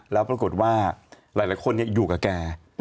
แล้วปรากฏว่าหลายคนอยู่กับแก